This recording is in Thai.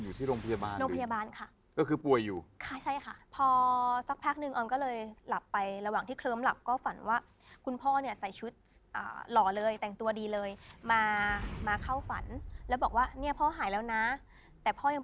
อยู่ที่โรงพยาบาลหรือยัง